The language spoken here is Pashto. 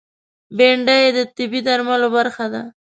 بېنډۍ د طبعي درملو برخه ده